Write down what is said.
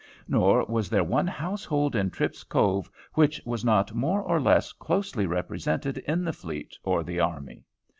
Nor was there one household in Tripp's Cove which was not more or less closely represented in the fleet or the army.